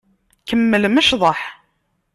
Kemmlem ccḍeḥ.